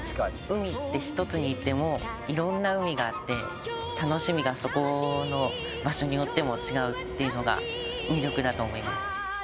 海ってひとつに言ってもいろんな海があって楽しみがそこの場所によっても違うっていうのが魅力だと思います。